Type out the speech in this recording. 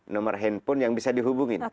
nomor handphone yang bisa dihubungin